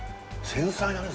繊細だね